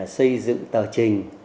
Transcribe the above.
xây dựng tờ trình